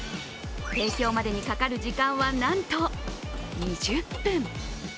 提供までにかかる時間はなんと２０分。